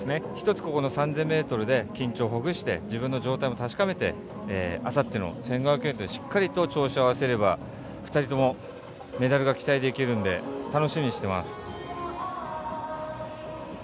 １つ、ここの３０００ｍで緊張をほぐして自分の状態を確かめてあさっての１５００ｍにしっかりと調子を合わせれば２人ともメダルが期待できるので楽しみにしてます。